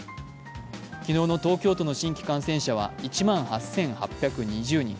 昨日の東京都の新規感染者は１万８８２０人。